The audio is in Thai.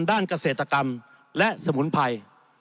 ด้านเกษตรกรรมและสมุนไพร